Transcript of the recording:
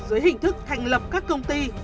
dưới hình thức thành lập các công ty